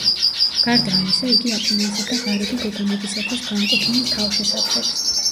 გარდა ამისა, იგი აფინანსებდა ღარიბი გოგონებისათვის განკუთვნილ თავშესაფრებს.